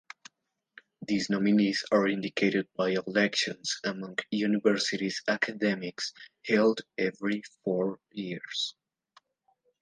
These nominees are indicated by elections among university's academics held every four years.